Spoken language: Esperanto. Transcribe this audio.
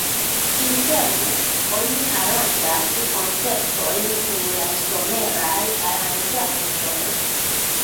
Interne oni aranĝas koncertojn dum la someraj aranĝaĵoj.